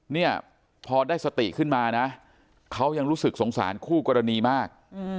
เนี่ยพอได้สติขึ้นมานะเขายังรู้สึกสงสารคู่กรณีมาก